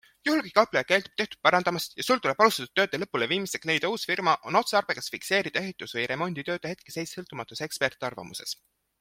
Juhul kui kaupleja keeldub tehtut parandamast ja Sul tuleb alustatud tööde lõpuleviimiseks leida uus firma, on otstarbekas fikseerida ehitus- või remonditööde hetkeseis sõltumatus ekspertarvamuses.